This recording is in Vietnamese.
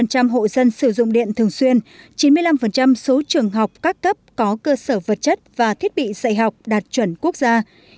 một trăm linh hộ dân sử dụng điện thường xuyên chín mươi năm số trường học các cấp có cơ sở vật chất và thiết bị dạy học đạt chuẩn quốc gia